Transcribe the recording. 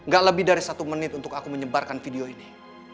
gak lebih dari satu menit untuk aku menyebarkan video ini